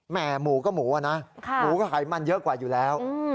หมูก็หมูอ่ะนะหมูก็ไขมันเยอะกว่าอยู่แล้ว